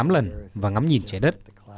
một trăm hai mươi tám lần và ngắm nhìn trái đất